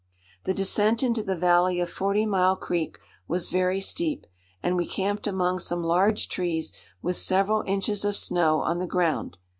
The descent into the valley of Forty Mile Creek was very steep, and we camped among some large trees with several inches of snow on the ground.